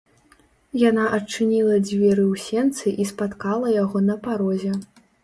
Яна адчыніла дзверы ў сенцы і спаткала яго на парозе.